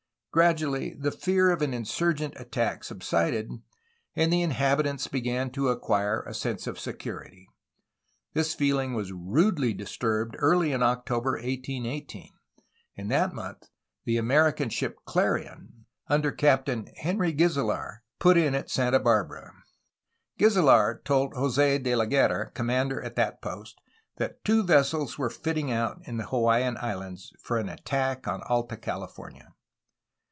Gradually the fear of an insurgent attack subsided, and the inhabitants began to acquire a sense of security. This feeling was rudely disturbed early in October 1818. In that month the American ship Clarion, under Captain Henry Gyzelaar, put in at Santa Barbara. Gyzelaar told Jos6 De la Guerra, commander at that post, that two vessels were fitting out in the Hawaiian Islands for an attack on Alta California.